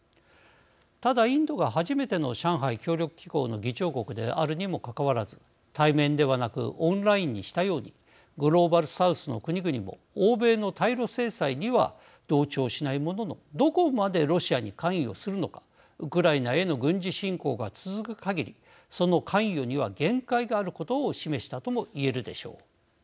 ただ、インドが初めての上海協力機構の議長国であるにもかかわらず対面ではなくオンラインにしたようにグローバル・サウスの国々も欧米の対ロ制裁には同調しないもののどこまでロシアに関与するのかウクライナへの軍事侵攻が続くかぎりその関与には限界があることを示したとも言えるでしょう。